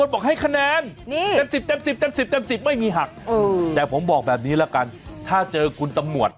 บางคนบอกให้คะแนน